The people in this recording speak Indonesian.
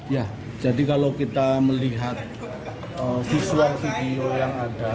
ya jadi kalau kita melihat visual video yang ada